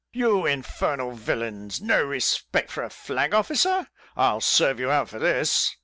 "You infernal villains! No respect for a flag officer? I'll serve you out for this."